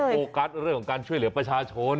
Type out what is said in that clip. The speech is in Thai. โฟกัสเรื่องของการช่วยเหลือประชาชน